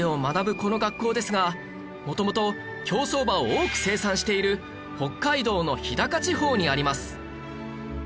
この学校ですが元々競走馬を多く生産している北海道の日高地方にあります